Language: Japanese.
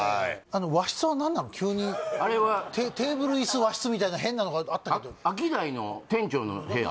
はい急にあれはテーブルイス和室みたいな変なのがあったけどアキダイの店長の部屋？